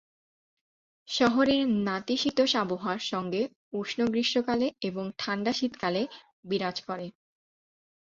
শহরে নাতিশীতোষ্ণ আবহাওয়া সঙ্গে উষ্ণ গ্রীষ্মকালে এবং ঠাণ্ডা শীতকালে বিরাজ করে।